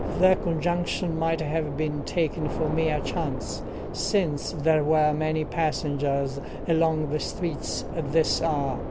The conjunction might have been taken for mere chance, since there were many passengers along the streets at this hour.